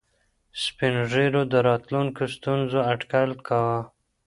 سپین ږیرو د راتلونکو ستونزو اټکل کاوه.